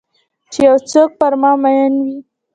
چې یو څوک پر مامین وي